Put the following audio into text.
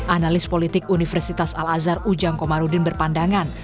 analis politik universitas al azhar ujang komarudin berpandangan